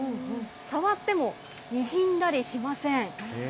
触っても、にじんだりしません。